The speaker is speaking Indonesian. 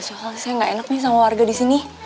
soalnya saya gak enak nih sama warga di sini